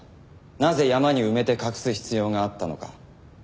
なぜ山に埋めて隠す必要があったのか？